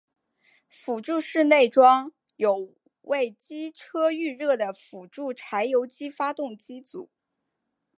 辅助室内装有为机车预热的辅助柴油机发电机组。